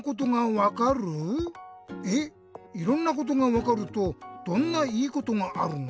えっいろんなことがわかるとどんないいことがあるの？